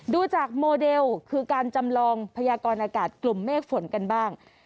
ดูจากโมเดลคือการจำลองพยากรอากาศกลุ่มเมฆฝนกันบ้าง